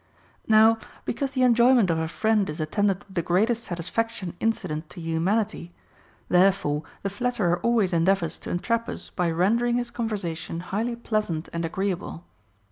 5. Now because the enjoyment of a friend is attended with the greatest satisfaction incident to humanity, there fore the flatterer always endeavors to entrap us by ren dering his conversation highly pleasant and agreeable.